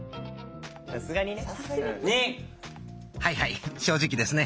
はいはい正直ですね。